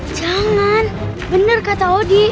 jangan bener kata odi